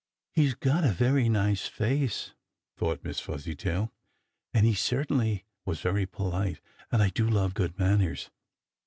"He's got a very nice face," thought Miss Fuzzytail, "and he certainly was very polite, and I do love good manners.